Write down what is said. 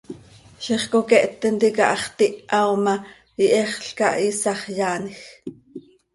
Ziix coqueht tintica hax tiha ma, ihexl cah, iisax yaanj.